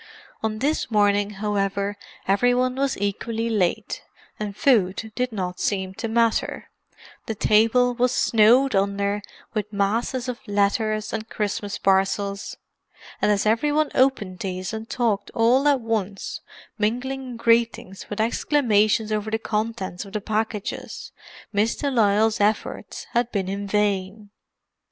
On this morning, however, every one was equally late, and food did not seem to matter; the table was "snowed under" with masses of letters and Christmas parcels, and as every one opened these and talked all at once, mingling greetings with exclamations over the contents of the packages, Miss de Lisle's efforts had been in vain.